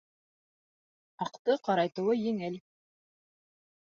Аҡты ҡарайтыуы еңел.